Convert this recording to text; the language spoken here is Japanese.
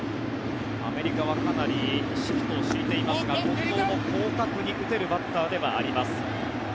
アメリカはかなりシフトを敷いていますが近藤も広角に打てるバッターではあります。